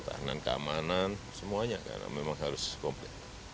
tahanan keamanan semuanya karena memang harus komplit